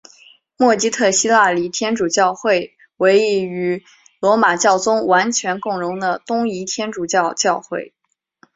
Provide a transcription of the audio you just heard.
默基特希腊礼天主教会为一与罗马教宗完全共融的东仪天主教教会。